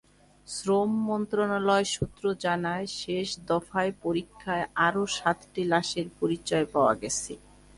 শ্রম মন্ত্রণালয় সূত্র জানায়, শেষ দফার পরীক্ষায় আরও সাতটি লাশের পরিচয় পাওয়া গেছে।